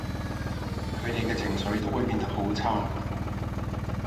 佢哋嘅情緒都會變得好差